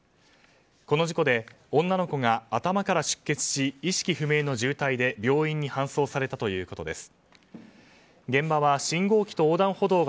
この事故で女の子が頭から出血し意識不明の重体で病院に搬送されたということです。